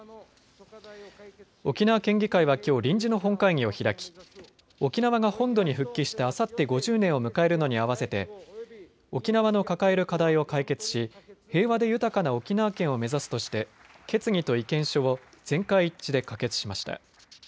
沖縄県議会はきょう、臨時の本会議を開き沖縄が本土に復帰してあさって５０年を迎えるのに合わせて沖縄の抱える課題を解決し平和で豊かな沖縄県を目指すとして決議と意見書を全会一致で可決しました。